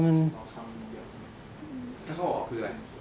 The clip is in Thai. เข้าออกคืออะไร